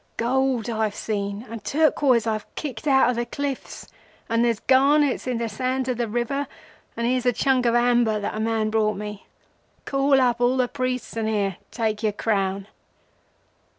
Gold I've seen, and turquoise I've kicked out of the cliffs, and there's garnets in the sands of the river, and here's a chunk of amber that a man brought me. Call up all the priests and, here, take your crown.